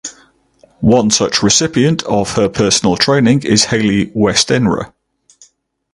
One such recipient of her personal training is Hayley Westenra.